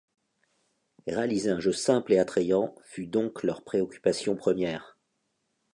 Réaliser un jeu simple et attrayant fut donc leur préoccupation première.